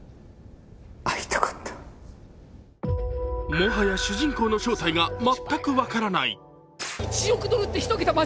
もはや、主人公の正体が全く分からない。